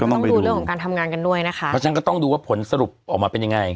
ต้องดูเรื่องของการทำงานกันด้วยนะคะเพราะฉะนั้นก็ต้องดูว่าผลสรุปออกมาเป็นยังไง